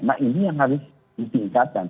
nah ini yang harus ditingkatkan